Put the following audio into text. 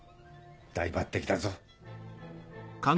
大抜てきだぞ。